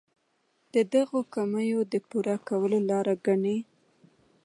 د دغو کمیو د پوره کولو لاره ګڼي.